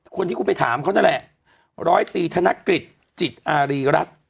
คนที่คุณไปถามเขานั่นแหละร้อยตีธนกฤษจิตอารีรัฐ